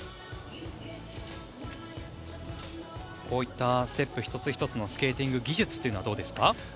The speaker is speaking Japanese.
こういったステップ１つ１つのスケーティング技術というのはいかがですか？